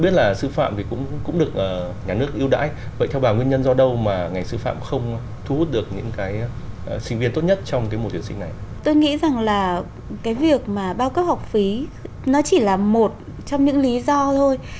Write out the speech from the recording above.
trong những lý do thôi